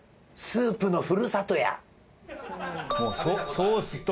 スープのふるさと。